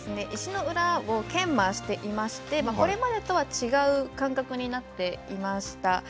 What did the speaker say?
石の裏を研磨していましてこれまでとは違う感覚になっていました。